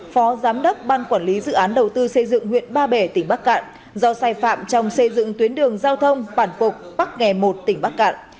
phó giám đốc ban quản lý dự án đầu tư xây dựng huyện ba bể tỉnh bắc cạn do sai phạm trong xây dựng tuyến đường giao thông bản phục bắc nghè một tỉnh bắc cạn